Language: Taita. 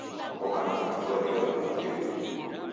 Koka na matuku alinga kuw'uye?